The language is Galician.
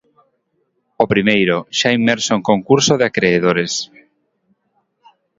O primeiro, xa inmerso en concurso de acredores.